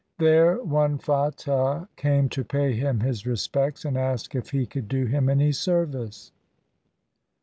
There one Fatah came to pay him his respects and ask if he could do him any service.